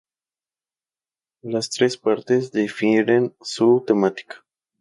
Las tres partes difieren su temática.